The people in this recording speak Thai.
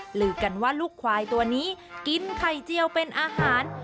หรือกันว่าลูกควายตัวนี้กินไข่เจียวเป็นอาหาร